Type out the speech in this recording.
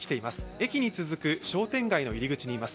駅に続く商店街の入り口にいます。